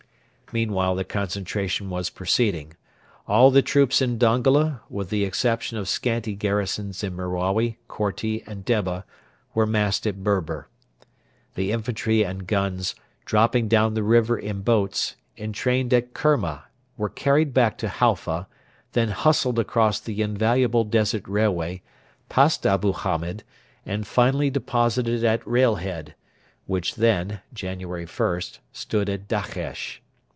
Meanwhile the concentration was proceeding. All the troops in Dongola, with the exception of scanty garrisons in Merawi, Korti, and Debba, were massed at Berber. The infantry and guns, dropping down the river in boats, entrained at Kerma, were carried back to Halfa, then hustled across the invaluable Desert Railway, past Abu Hamed, and finally deposited at Railhead, which then (January 1) stood at Dakhesh.